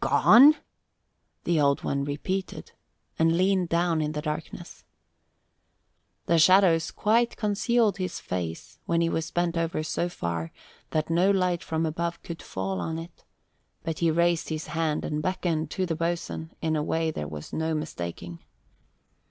"Gone?" the Old One repeated, and leaned down in the darkness. The shadows quite concealed his face when he was bent over so far that no light from above could fall on it, but he raised his hand and beckoned to the boatswain in a way there was no mistaking.